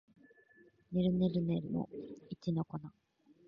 ねるねるねるねの一の粉